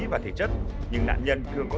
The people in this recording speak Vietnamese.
và thể chất nhưng nạn nhân thường có